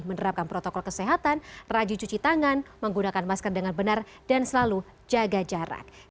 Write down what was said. menerapkan protokol kesehatan rajin cuci tangan menggunakan masker dengan benar dan selalu jaga jarak